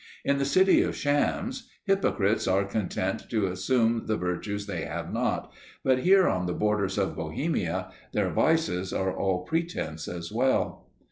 In the City of Shams, hypocrites are content to assume the virtues they have not, but here on the borders of Bohemia their vices are all pretense as well!